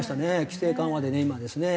規制緩和でね